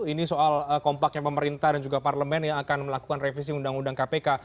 ini soal kompaknya pemerintah dan juga parlemen yang akan melakukan revisi undang undang kpk